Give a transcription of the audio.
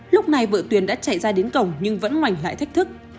lúc này vợ tuyền đã chạy ra đến cổng nhưng vẫn hoành lại thách thức